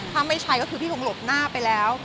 ถ้าไม่ใช้ก็คือพี่คงหลบหน้าไปแล้ว